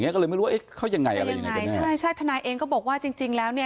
ก็เลยไม่รู้ว่าเขายังไง